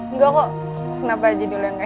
enggak kok kenapa aja dulu yang ngeh